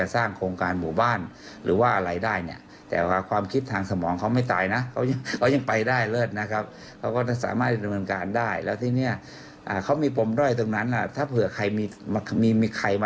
ทางผู้เจ้าของปล้ำกับเนี่ยไม่คุยกันมาประมาณ๒ปีแล้ว